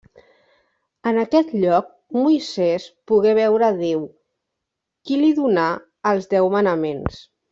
En aquest lloc, Moisès pogué veure Déu, qui li donà els Deu Manaments.